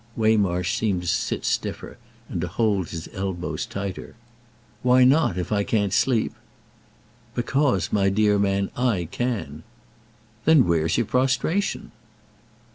Waymarsh seemed to sit stiffer and to hold his elbows tighter. "Why not—if I can't sleep?" "Because, my dear man, I can!" "Then where's your prostration?"